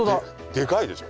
でかいでしょ？